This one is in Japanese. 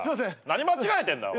何間違えてんだ。